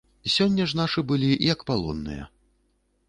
Сёння ж нашы былі, як палонныя.